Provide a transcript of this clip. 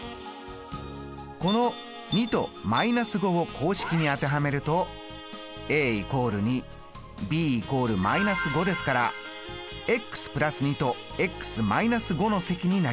この２と−５を公式に当てはめると＝２ｂ＝−５ですから＋２と−５の積になります。